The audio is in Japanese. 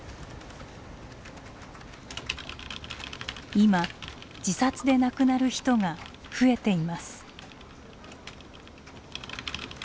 今自殺で亡くなる人が増えています。